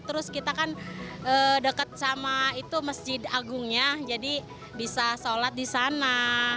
terus kita kan dekat sama itu masjid agungnya jadi bisa sholat di sana